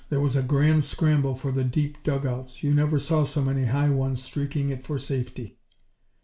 There was a grand scramble for the deep dugouts. You never saw so many High Ones streaking it for safety.